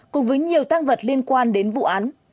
cùng với nhiều tăng vật liên quan đến vụ án